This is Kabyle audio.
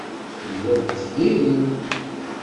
Telliḍ deffir-iw.